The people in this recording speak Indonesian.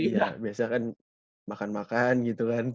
iya biasa kan makan makan gitu kan